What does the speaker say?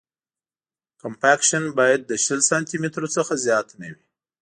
کمپکشن باید له شل سانتي مترو څخه زیات نه وي